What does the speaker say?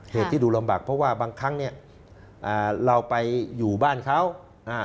เหตุที่ดูลำบากเพราะว่าบางครั้งเราไปอยู่บ้านเขา